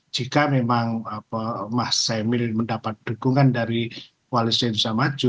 jika memang mas emil mendapat dukungan dari kualitas yang sudah maju